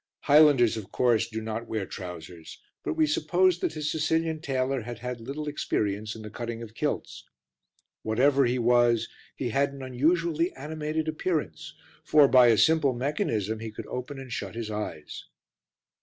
Highlanders, of course, do not wear trousers, but we supposed that his Sicilian tailor had had little experience in the cutting of kilts. Whatever he was, he had an unusually animated appearance, for, by a simple mechanism, he could open and shut his eyes.